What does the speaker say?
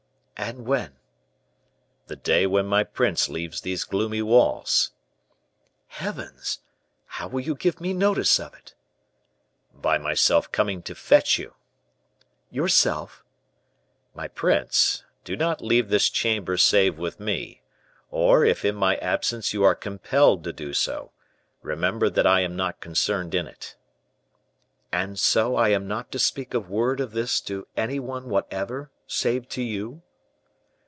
"And when?" "The day when my prince leaves these gloomy walls." "Heavens! how will you give me notice of it?" "By myself coming to fetch you." "Yourself?" "My prince, do not leave this chamber save with me, or if in my absence you are compelled to do so, remember that I am not concerned in it." "And so I am not to speak a word of this to any one whatever, save to you?"